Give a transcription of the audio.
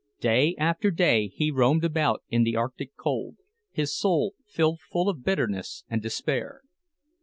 Day after day he roamed about in the arctic cold, his soul filled full of bitterness and despair.